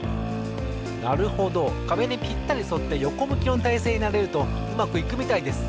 なるほどかべにぴったりそってよこむきのたいせいになれるとうまくいくみたいです。